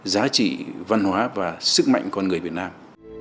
giá trị văn hóa và sức mạnh con người việt nam